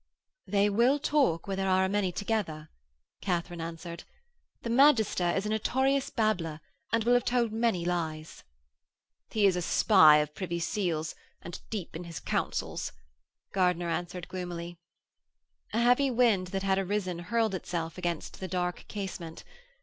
'They will talk where there are a many together,' Katharine answered; 'the magister is a notorious babbler and will have told many lies.' 'He is a spy of Privy Seal's and deep in his councils,' Gardiner answered gloomily. A heavy wind that had arisen hurled itself against the dark casement.